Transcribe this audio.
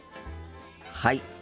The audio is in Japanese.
はい。